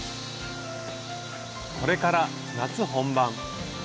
これから夏本番！